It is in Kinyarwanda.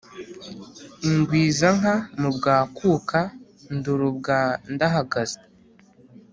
Igwiza inka mu Bwakuka-ndoro bwa Ndahagaze.